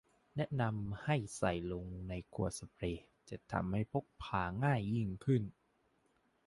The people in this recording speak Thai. แนะนำให้ใส่ลงในขวดสเปรย์จะทำให้พกพาง่ายยิ่งขึ้น